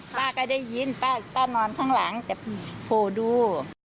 ป้าก็ได้ยินป้านอนข้างหลังแต่โผล่ดู